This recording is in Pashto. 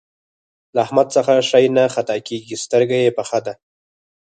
له احمده څه شی نه خطا کېږي؛ سترګه يې پخه ده.